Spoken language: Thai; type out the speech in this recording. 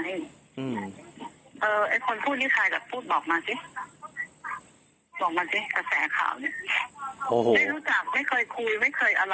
ไม่รู้จักไม่เคยคุยไม่เคยอะไรด้วยเลยนะ